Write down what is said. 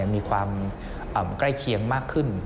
มีความใกล้เคียงมากขึ้น